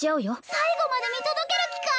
最後まで見届ける気か！